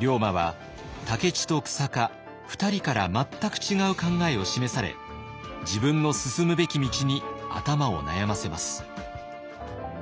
龍馬は武市と久坂２人から全く違う考えを示され自分の進むべき道に頭を悩ませます。